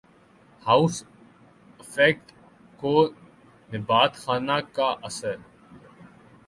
house effect کو نبات خانہ کا اثر